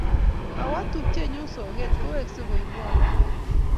Kawo tupchennyu soget, yeweksei koipwon logoek.